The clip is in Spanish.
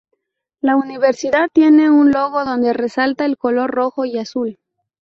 La universidad tiene un logo donde resalta el color rojo y azul.